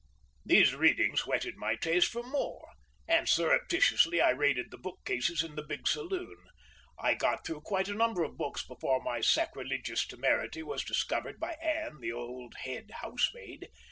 These readings whetted my taste for more, and surreptitiously I raided the bookcases in the big saloon. I got through quite a number of books before my sacrilegious temerity was discovered by Ann, the old head housemaid.